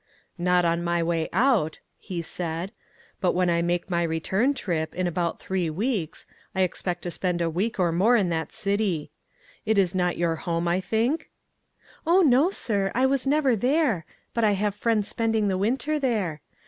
"Not on my way out," he said; "but 128 ONE COMMONPLACE DAY. when I make my return trip, in about three weeks, I expect to spend a week or more in that city. It is not your home, I think?" *' Oh, no, sir ; I was never there, but I have friends spending the winter there.